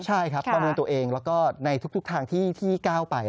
ใช่ครับประเมินตัวเองแล้วก็ในทุกทางที่ก้าวไป